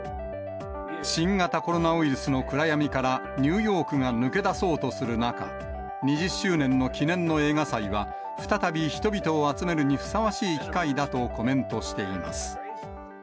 新型コロナウイルスの暗闇からニューヨークが抜け出そうとする中、２０周年の記念の映画祭は、再び人々を集めるにふさわしい機会だとコメントしています。